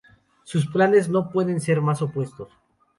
Sus planes no pueden ser más opuestos.